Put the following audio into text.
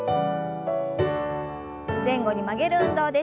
前後に曲げる運動です。